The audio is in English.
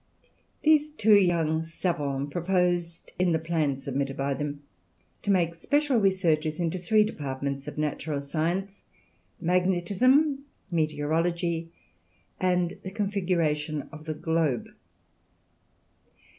These two young savants proposed in the plan submitted by them to make special researches into three departments of natural science magnetism, meteorology, and the configuration of the globe.